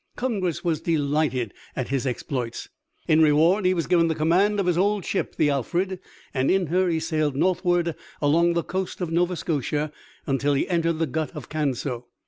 Congress was delighted at his exploits. In reward he was given the command of his old ship, the Alfred, and in her he sailed northward along the coast of Nova Scotia until he entered the Gut of Canso.